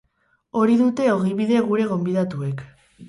Hori dute ogibide gure gonbidatuek.